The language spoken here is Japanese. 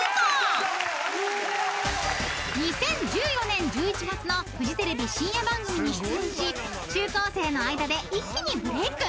［２０１４年１１月のフジテレビ深夜番組に出演し中高生の間で一気にブレイク］